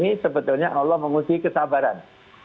di saat pandemi ini allah menguji kesabaran